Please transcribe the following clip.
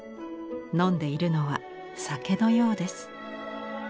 飲んでいるのは酒のようです。